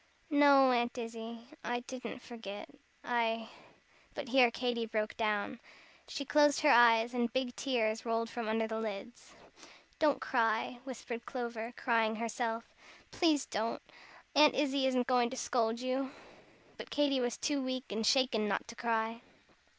"No, Aunt Izzie I didn't forget. I " but here Katy broke down. She closed her eyes, and big tears rolled from under the lids. "Don't cry," whispered Clover, crying herself, "please don't. Aunt Izzie isn't going to scold you." But Katy was too weak and shaken not to cry.